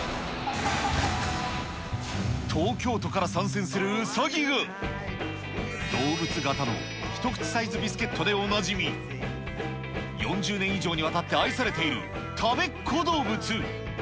東京都から参戦するうさぎが、動物形の一口サイズビスケットでおなじみ、４０年以上にわたって愛されている、たべっ子どうぶつ。